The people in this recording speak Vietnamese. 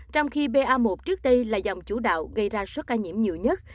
trong khi ba một trước đây là dòng chủ đạo gây ra số ca nhiễm nhiều nhất